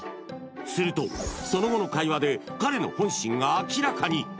するとその後の会話で彼の本心が明らかに！